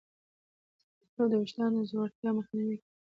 زردآلو د ویښتانو د ځوړتیا مخنیوی کوي.